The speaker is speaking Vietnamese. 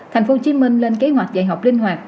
tp hcm lên kế hoạch dạy học linh hoạt